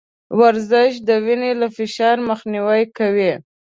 ورزش د وينې له فشار مخنيوی کوي.